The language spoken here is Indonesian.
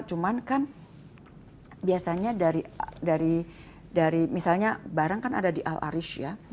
cuma kan biasanya dari misalnya barang kan ada di al arish ya